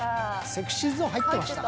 ＳｅｘｙＺｏｎｅ入ってました。